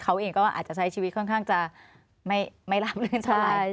เขาเองก็อาจจะใช้ชีวิตค่อนข้างจะไม่รับเรื่องเท่าไร